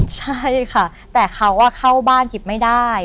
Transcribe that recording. ใช่ค่ะแต่เขาเข้าบ้านหยิบไม่ได้